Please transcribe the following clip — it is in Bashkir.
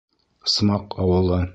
Смаҡ ауылы.